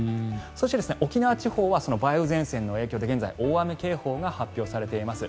そして、沖縄地方は梅雨前線の影響で現在、大雨警報が発表されています。